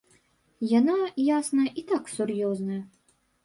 Яна, ясна, і так сур'ёзная.